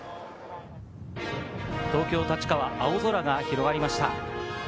東京・立川、青空が広がりました。